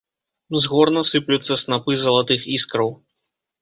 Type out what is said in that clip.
З горна сыплюцца снапы залатых іскраў.